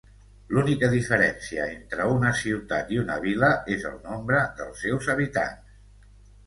L'única diferència entre una ciutat i una vila és el nombre dels seus habitants.